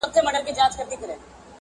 نجلۍ د سخت درد سره مخ کيږي او چيغي وهي,